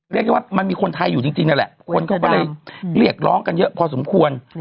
เรียกได้ว่ามันมีคนไทยอยู่จริงนั่นแหละคนเขาก็เลยเรียกร้องกันเยอะพอสมควร